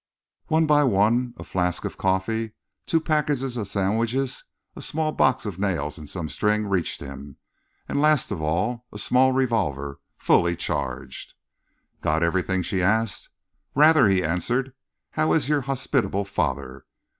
One by one, a flask of coffee, two packets of sandwiches, a small box of nails and some string reached him, and last of all a small revolver, fully charged. "Got everything?" she asked. "Rather!" he answered. "How is your hospitable father?"